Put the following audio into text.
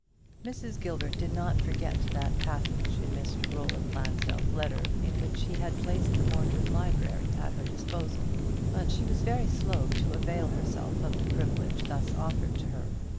Mrs. Gilbert did not forget that passage in Roland Lansdell's letter, in which he had placed the Mordred library at her disposal. But she was very slow to avail herself of the privilege thus offered to her.